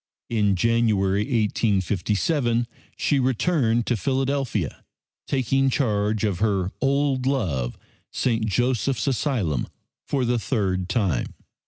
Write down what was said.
In January, 1857, she returned to Philadelphia, taking charge of her old love, St. Joseph's Asylum, for the third time.